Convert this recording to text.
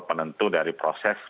penentu dari proses